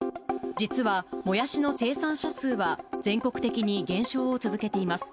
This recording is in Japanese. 実はもやしの生産者数は全国的に減少を続けています。